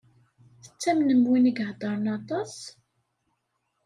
Tettamnem win i iheddṛen aṭas?